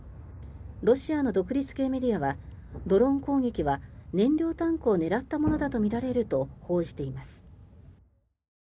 ロシアの独立系メディアはドローン攻撃は燃料タンクを狙ったものだと報じています。